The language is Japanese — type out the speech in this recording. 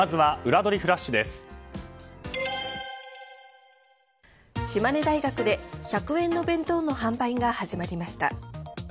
鳥取大学で１００円の弁当の販売が始まりました。